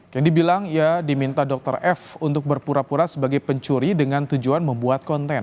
yang dibilang ia diminta dr f untuk berpura pura sebagai pencuri dengan tujuan membuat konten